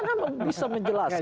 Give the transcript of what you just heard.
bagaimana bisa menjelaskan